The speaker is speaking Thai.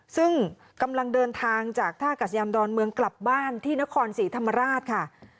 ซึ่งกำลังเดินทางจากท่ากัศยานดอนเมืองกลับบ้านที่นครศรีธรรมราชค่ะ